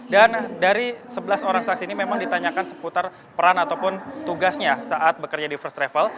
dan dari sebelas orang saksi ini memang ditanyakan seputar peran ataupun tugasnya saat bekerja di first travel